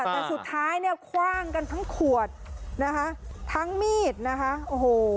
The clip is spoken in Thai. แต่สุดท้ายเนี่ยคว่างกันทั้งขวดนะคะทั้งมีดนะคะโอ้โห